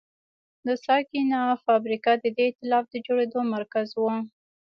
د سکانیا فابریکه د دې اېتلاف د جوړېدو مرکز و.